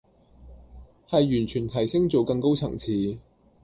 係完全提升做更高層次